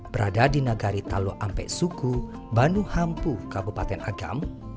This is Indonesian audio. berada di nagari talwa ampe suku bandu hampu kabupaten agam